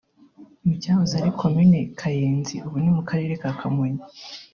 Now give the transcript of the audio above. mu cyahoze ari Komini Kayenzi ubu ni mu Karere ka Kamonyi